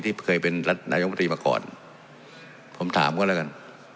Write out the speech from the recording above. ที่เคยเป็นรัฐนายกรรมตรีมาก่อนผมถามก็แล้วกัน